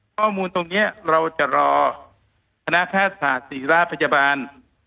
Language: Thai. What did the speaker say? ข้อมูลตรงนี้เราจะรอธนาคาศาสตร์ศรีราชประจบาล